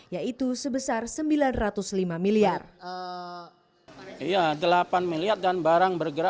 yaitu sebesar sembilan ratus lima miliar